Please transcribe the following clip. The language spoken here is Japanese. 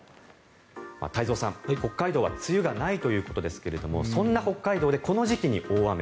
太蔵さん、北海道は梅雨がないということですがそんな北海道でこの時期に大雨。